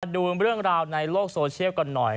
ดูเรื่องราวในโลกโซเชียลกันหน่อย